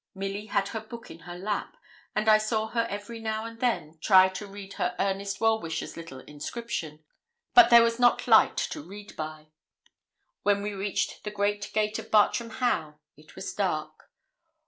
Milly had her book in her lap, and I saw her every now and then try to read her 'earnest well wisher's' little inscription, but there was not light to read by. When we reached the great gate of Bartram Haugh it was dark.